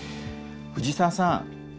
藤沢さん